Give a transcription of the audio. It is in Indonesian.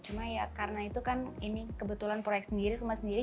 cuma ya karena itu kan ini kebetulan proyek sendiri rumah sendiri